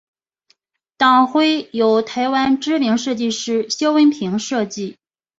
党徽由台湾知名设计师萧文平设计。